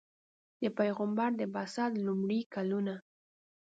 د پیغمبر د بعثت لومړي کلونه.